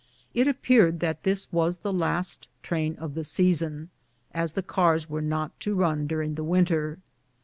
It appeared that this was the last train of the season, as the cars were not to run during the winter.